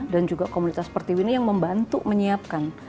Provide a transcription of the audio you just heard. dan juga komunitas seperti ini yang membantu menyiapkan